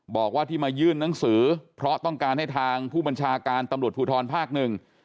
บอกว่าที่มายื่นหนังสือเพราะต้องการให้ทางผู้บัญชาการตำรวจภูทรภาคหนึ่ง